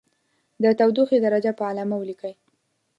د تودوخې درجه په علامه ولیکئ.